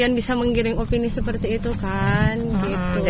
kejadian lagi di mana mbak linda